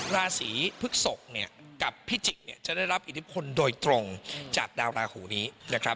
ราศีพึกศกกับพี่จิกจะได้รับอิทธิพลโดยตรงจากดาวราหูนี้นะครับ